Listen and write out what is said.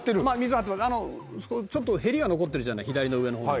ちょっとへりが残ってるじゃない左の上の方に。